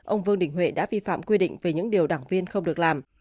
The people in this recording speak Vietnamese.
ông vương đình huệ đã vi phạm quy định về những điều đảng viên không được làm